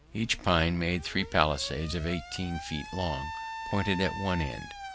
Each pine made three palisades of eighteen feet long, pointed at one end.